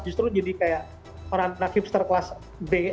justru jadi kayak orang anak hipster kelas b